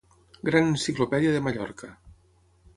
Gran Enciclopèdia de Mallorca.